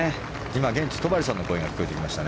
今現地、戸張さんの声が聞こえてきました。